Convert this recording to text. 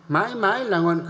mãi mãi là ngọn cờ